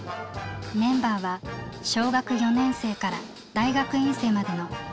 メンバーは小学４年生から大学院生までの幅広い年代。